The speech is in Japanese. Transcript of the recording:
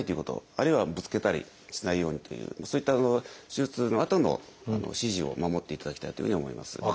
あるいはぶつけたりしないようにというそういった手術のあとの指示を守っていただきたいというふうに思います。